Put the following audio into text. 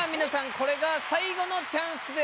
これが最後のチャンスでございます。